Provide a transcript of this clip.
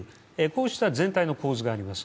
こうした全体の構図があります。